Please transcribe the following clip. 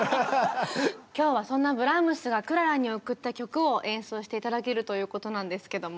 今日はそんなブラームスがクララに贈った曲を演奏して頂けるということなんですけども。